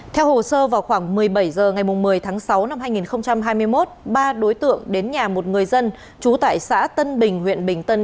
theo hồ sơ vào khoảng một mươi bảy h ngày một mươi tháng sáu năm hai nghìn hai mươi một ba đối tượng đến nhà một người dân trú tại xã tân bình huyện bình tân